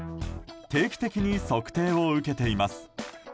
定期的に測定を受けています。